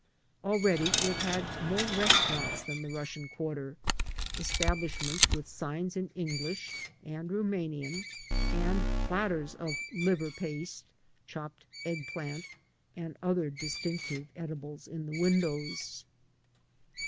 Already it had more restaurants than the Russian quarter — estab lishments with signs in English and Rumanian, and platters of liver paste, chopped eggplant, and other dis tinctive edibles in the windows.